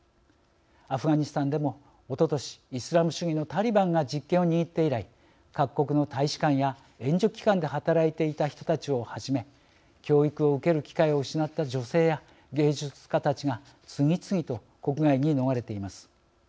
アフガニスタンでもおととしイスラム主義のタリバンが実権を握って以来各国の大使館や援助機関で働いていた人たちをはじめ教育を受ける機会を失った女性や芸術家たちが次々と国外に逃れています。